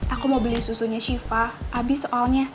aku mau beli susunya siva abis soalnya